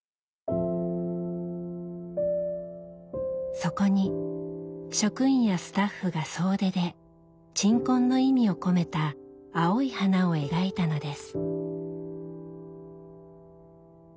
そこに職員やスタッフが総出で“鎮魂”の意味を込めた青い花を描いたのです。